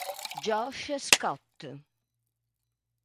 Josh Scott